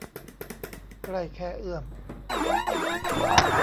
ใกล้แค่เอื้อม